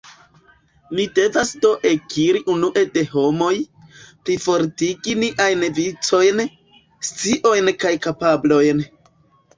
Ni devas do ekiri unue de homoj, plifortigi niajn vicojn, sciojn kaj kapablojn.